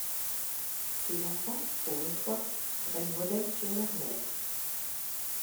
Ses enfants, pour une fois, prennent modèle sur leur mère.